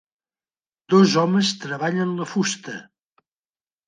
Dos homes treballen la fusta.